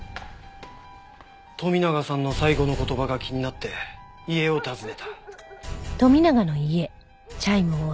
富永さんの最後の言葉が気になって家を訪ねた。